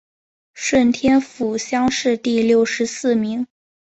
顺天府乡试第六十四名。